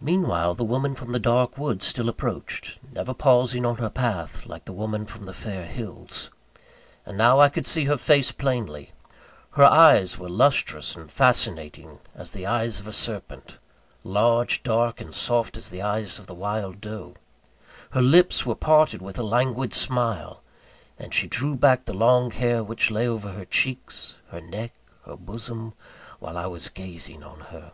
Meanwhile, the woman from the dark wood still approached; never pausing on her path, like the woman from the fair hills. And now I could see her face plainly. Her eyes were lustrous and fascinating, as the eyes of a serpent large, dark and soft, as the eyes of the wild doe. Her lips were parted with a languid smile; and she drew back the long hair, which lay over her cheeks, her neck, her bosom, while I was gazing on her.